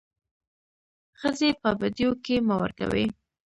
ښځي په بديو کي مه ورکوئ.